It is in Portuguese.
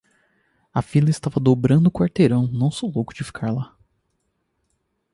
A fila estava dobrando o quarteirão. Não sou louco de ficar lá.